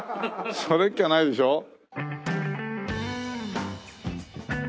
それっきゃないでしょ？